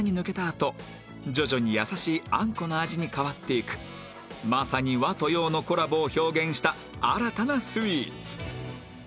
あと徐々に優しいあんこの味に変わっていくまさに和と洋のコラボを表現した新たなスイーツ